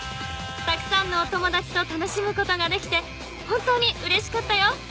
［たくさんのおともだちと楽しむことができて本当にうれしかったよ］